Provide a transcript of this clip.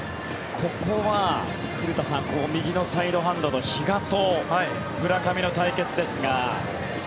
ここは古田さん右のサイドハンドの比嘉と村上の対決ですが。